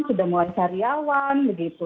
sudah mulai sariawan begitu